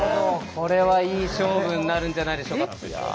これはいい勝負になるんじゃないでしょうか。